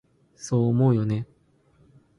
そう思うよね？